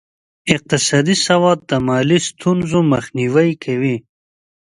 اقتصادي سواد د مالي ستونزو مخنیوی کوي.